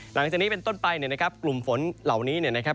หลังจากนี้เป็นต้นไปเนี่ยนะครับกลุ่มฝนเหล่านี้เนี่ยนะครับ